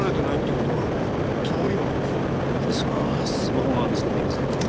ですがスマホが見つかっていません。